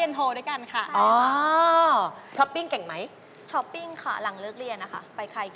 อยู่ตรงไหนขึ้นดีก็โทรติด